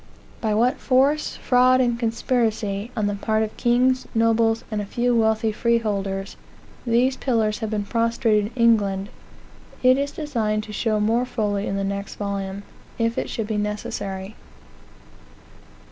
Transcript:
By what force, fraud, and conspiracy, on the part of kings, nobles, and "a few wealthy freeholders," these pillars have been prostrated in England, it is desired to show more fully in the next volume, if it should be necessary.